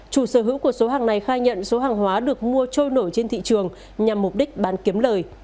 chủ sở hữu của số hàng này khai nhận số hàng hóa được mua trôi nổi trên thị trường nhằm mục đích bán kiếm lời